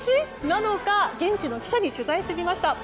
なのか現地の記者に取材してきました。